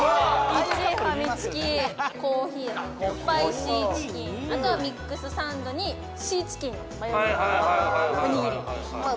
１位ファミチキコーヒースパイシーチキンあとはミックスサンドにシーチキンマヨネーズおにぎりまあ